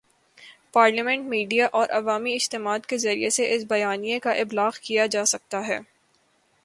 Parliament, media اور عوامی اجتماعات کے ذریعے اس بیانیے کا ابلاغ کیا جا سکتا ہے۔